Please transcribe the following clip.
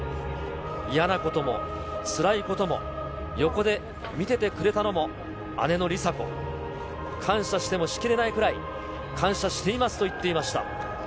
嫌なことも、つらいことも、横で見ててくれたのも姉の梨紗子。感謝してもしきれないくらい感謝していますと言っていました。